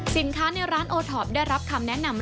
สินค้าในร้านโอท็อปได้รับคำแนะนำ